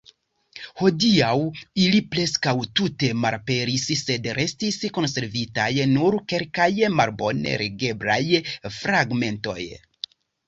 Hodiaŭ ili preskaŭ tute malaperis, sed restis konservitaj nur kelkaj malbone legeblaj fragmentoj.